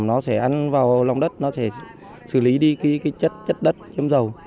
nó sẽ ăn vào lòng đất nó sẽ xử lý đi chất đất nhiễm dầu